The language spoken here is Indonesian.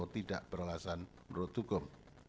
tidak beralasan menurut hukum